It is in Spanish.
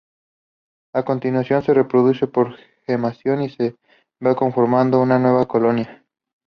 A continuación se reproducen por gemación y se va conformando una nueva colonia.